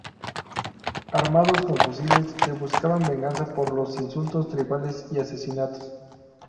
Armados con fusiles, que buscaban venganza por los insultos tribales y asesinatos.